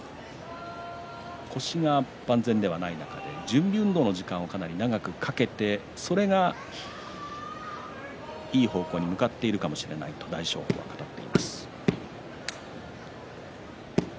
腰が万全ではない中で準備運動の時間をかなり長くかけてそれがいい方向に向かってるかもしれないと大翔鵬は語っています。